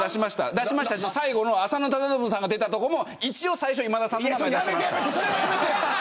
最後の浅野忠信さんが出たとこも一応今田さんの名前出しました。